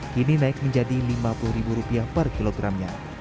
kini naik menjadi lima puluh rupiah per kilogramnya